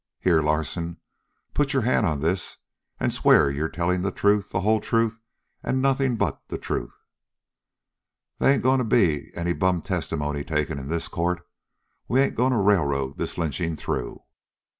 Here, Larsen, put your hand on this and swear you're telling the truth, the whole truth, and nothing but the truth. They ain't going to be any bum testimony taken in this court. We ain't going to railroad this lynching through."